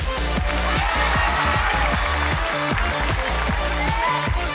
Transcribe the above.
โอ้โห